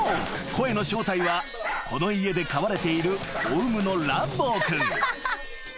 声の正体はこの家で飼われているオウムのランボー君］